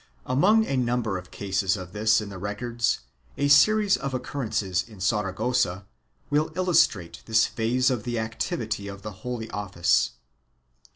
Among a number of cases of this in the records, a series of occurrences in Saragossa will illustrate this phase of the activity of the Holy Office.